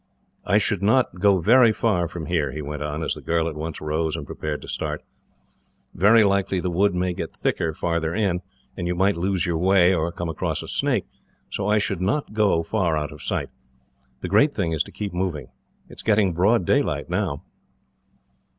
"I should not go far away from here," he went on, as the girl at once rose and prepared to start. "Very likely the wood may get thicker, farther in, and you might lose your way, or come across a snake; so I should not go far out of sight. The great thing is to keep moving. It is getting broad daylight, now."